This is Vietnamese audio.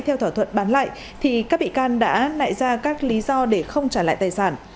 theo thỏa thuận bán lại thì các bị can đã nại ra các lý do để không trả lại tài sản